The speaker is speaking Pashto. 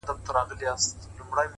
ښه اورېدونکی ښه زده کوونکی وي